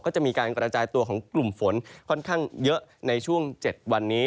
ก็จะมีการกระจายตัวของกลุ่มฝนค่อนข้างเยอะในช่วง๗วันนี้